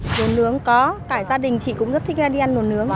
đồ nướng có cả gia đình chị cũng rất thích ra đi ăn đồ nướng